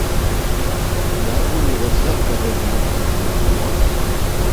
Hi ha algun negoci al carrer Nord cantonada Nord?